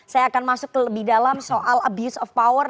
saya akan masuk ke lebih dalam soal abuse of power